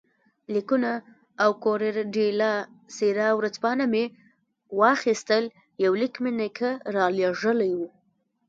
لیکونه او کوریره ډیلا سیرا ورځپاڼه مې واخیستل، یو لیک مې نیکه رالېږلی وو.